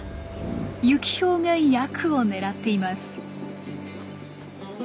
ユキヒョウがヤクを狙っています。